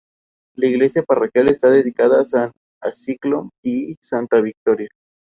Los servicios financieros los presta el Banco Agrario.